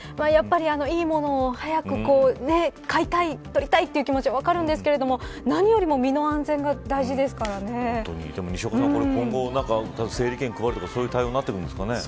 いいものを早く買いたい取りたいという気持ち分かるんですが何よりも、身の安全が今後整理券を配るとかそういう対応になるんですかね。